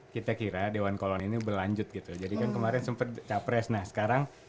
kita kira dewan kolon ini berlanjut gitu jadikan kemarin sempet capres nah sekarang